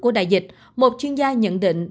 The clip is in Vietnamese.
của đại dịch một chuyên gia nhận định